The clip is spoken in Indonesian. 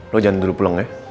lo jangan dulu pulang ya